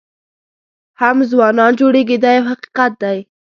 هم ځوانان جوړېږي دا یو حقیقت دی.